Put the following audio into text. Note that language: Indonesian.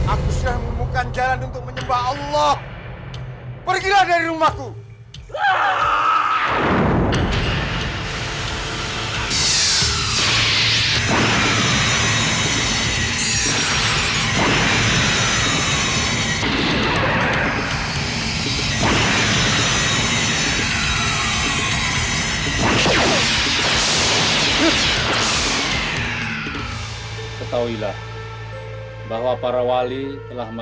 aku sudah mengumumkan jalan untuk kalian